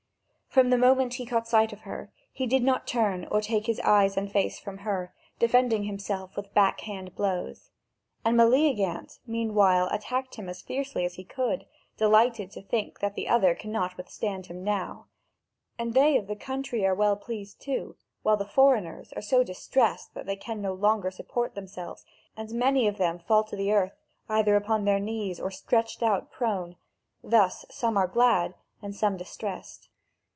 From the moment he caught sight of her, he did not turn or take his eyes and face from her, defending himself with backhand blows. And Meleagant meanwhile attacked him as fiercely as he could, delighted to think that the other cannot withstand him now; and they of the country are well pleased too, while the foreigners are so distressed that they can no longer support themselves, and many of them fall to earth either upon their knees or stretched out prone; thus some are glad, and some distressed.